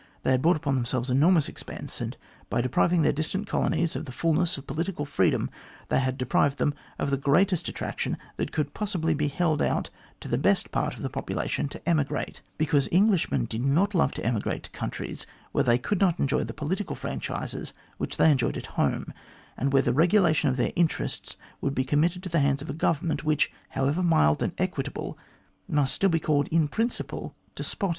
They had brought upon themselves enormous expense, and, by depriving their distant colonies of the fulness of political freedom, they had deprived them of the greatest attraction that could possibly be held out to the best part of the popula tion to emigrate, because Englishmen did not love to emigrate to countries where they could not enjoy the political franchises which they enjoyed at home, and where the regulation of their interests would be committed to the hands of a Government, which, however mild and equitable, must still be called in principle, despotic.